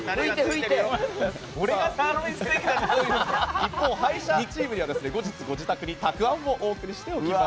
一方、負けたチームには後日たくあんをお送りしておきます。